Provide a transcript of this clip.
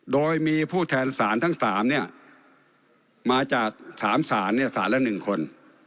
โดยมีผู้แทนสารทั้งสามเนี่ยมาจากสามสารเนี่ยสารละหนึ่งคน